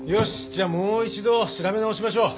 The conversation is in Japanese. じゃあもう一度調べ直しましょう。